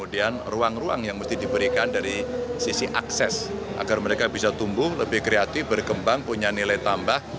dari sisi akses agar mereka bisa tumbuh lebih kreatif berkembang punya nilai tambah